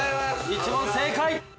◆１問正解！